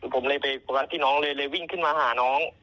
ผมเลยไปวัดที่น้องเลยเลยวิ่งขึ้นมาหาน้อง